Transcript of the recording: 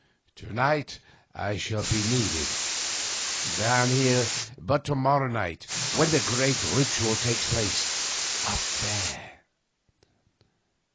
To night I shall be needed down here, but to morrow night when the great ritual takes place up there